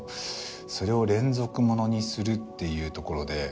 それを連続物にするっていうところで。